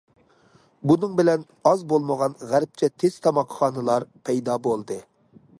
بۇنىڭ بىلەن ئاز بولمىغان غەربچە تېز تاماقخانىلار پەيدا بولدى.